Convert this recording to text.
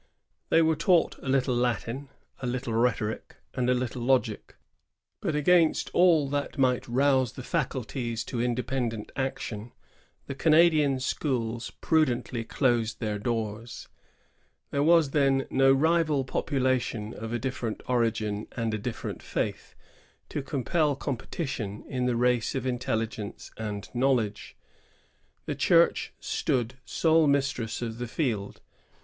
They were taught a little Latin, a little rhetoric, and a little logic; but against aU that might rouse the faculties to independent action, the Canadian schools pru dently closed their doors. There was then no rival population, of a different origin and a different faith, to compel competition in the race of intelligence and knowledge. The Church stood sole mistress of the field.